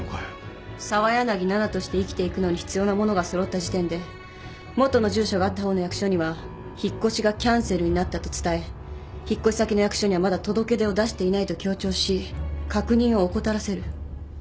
澤柳菜々として生きていくのに必要なものが揃った時点で元の住所があった方の役所には引っ越しがキャンセルになったと伝え引っ越し先の役所にはまだ届け出を出していないと強調し確認を怠らせる。